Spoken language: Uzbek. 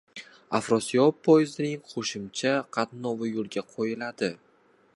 “Afrosiyob” poyezdining qo‘shimcha qatnovi yo‘lga qo‘yiladi